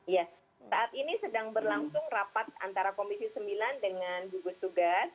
ya saat ini sedang berlangsung rapat antara komisi sembilan dengan gugus tugas